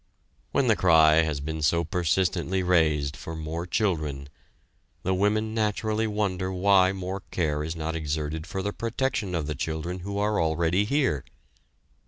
When the cry has been so persistently raised for more children, the women naturally wonder why more care is not exerted for the protection of the children who are already here.